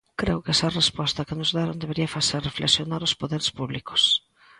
Creo que esa resposta que nos deron debería facer reflexionar aos poderes públicos.